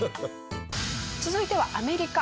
続いてはアメリカ。